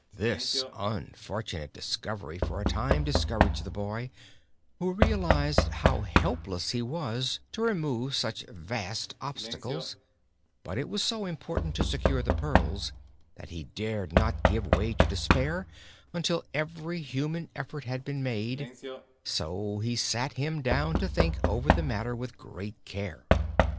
This unfortunate discovery for a time discouraged the boy, who realized how helpless he was to remove such vast obstacles; but it was so important to secure the pearls that he dared not give way to despair until every human effort had been made, so he sat him down to think over the matter with great care.